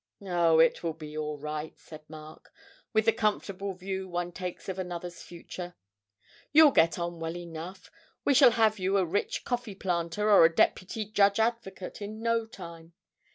'Oh, it will be all right,' said Mark, with the comfortable view one takes of another's future; 'you'll get on well enough. We shall have you a rich coffee planter, or a Deputy Judge Advocate, in no time.